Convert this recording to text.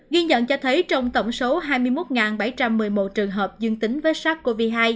ghi nhận cho thấy trong tổng số hai mươi một bảy trăm một mươi một trường hợp dương tính với sars cov hai